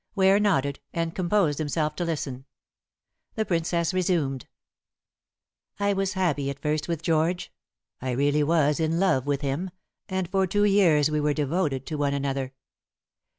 Ware nodded, and composed himself to listen. The Princess resumed. "I was happy at first with George. I really was in love with him, and for two years we were devoted to one another.